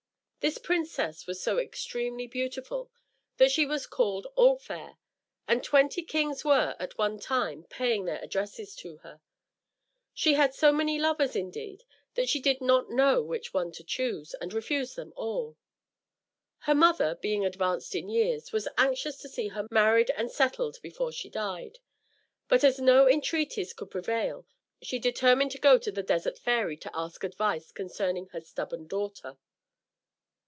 This princess was so extremely beautiful, that she was called All Fair, and twenty kings were, at one time, paying their addresses to her. She had so many lovers, indeed, that she did not know which to choose, and refused them all. Her mother, being advanced in years, was anxious to see her married and settled before she died; but as no entreaties could prevail, she determined to go to the Desert Fairy to ask advice concerning her stubborn daughter.